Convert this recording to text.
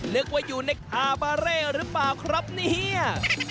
เลือกว่าอยู่ในคาบาร์เร่อหรือเปล่าครับนี่เหี้ย